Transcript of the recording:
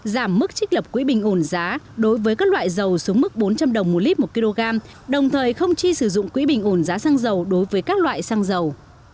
giảm mức trích lập quỹ bình ổn giá đối với các loại dầu xuống mức bốn trăm linh đồng một lít một kg đồng thời không chi sử dụng quỹ bình ổn giá xăng dầu đối với các loại xăng dầu